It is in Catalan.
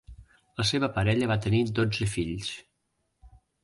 La seva parella va tenir dotze fills.